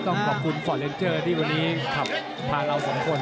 ต้องขอบคุณฟอร์เลนเจอร์ที่วันนี้ขับพาเราสองคน